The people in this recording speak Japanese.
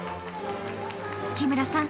日村さん